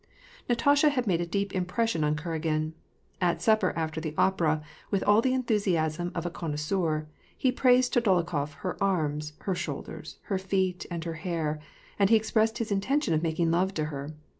Natasha had made a deep impression on Kuragin. At sup per after the opera, with all the enthusiasm of a connoisseur, he praised to Dolokhof her arms, her shoulders, her feet, and her hair, and he expressed his intention of making love to her.